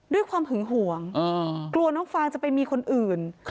ด้วยความหึงห่วงกลัวน้องฟางจะไปมีคนอื่น